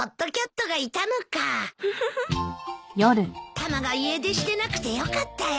タマが家出してなくてよかったよ。